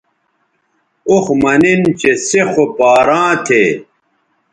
اوخ مہ نِن چہ سے خو پاراں تھے